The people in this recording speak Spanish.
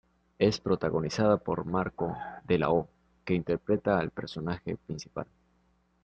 Es protagonizada por Marco de la O, que interpreta al personaje principal.